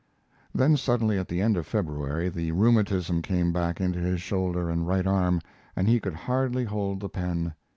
Then suddenly, at the end of February, the rheumatism came back into his shoulder and right arm and he could hardly hold the pen.